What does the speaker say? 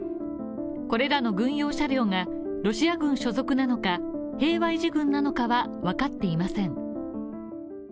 これらの軍用車両がロシア軍所属なのか平和維持軍なのかは分かっていません。